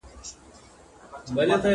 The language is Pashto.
آیا ګرمه هوا د انسان په خوی اغیز کوي؟